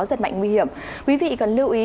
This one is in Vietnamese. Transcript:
rất mạnh nguy hiểm quý vị cần lưu ý